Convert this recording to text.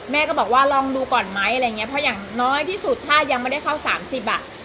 แม่ก็บอกว่าลองดูก่อนไหมอะไรอย่างเงี้เพราะอย่างน้อยที่สุดถ้ายังไม่ได้เข้าสามสิบอ่ะ